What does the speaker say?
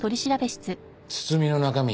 包みの中身